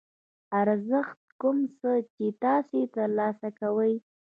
ارزښت کوم څه چې تاسو ترلاسه کوئ.